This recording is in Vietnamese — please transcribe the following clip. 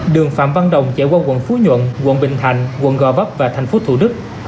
đường phạm văn đồng chạy qua quận phú nhuận quận bình thạnh quận gò vấp và thành phố thủ đức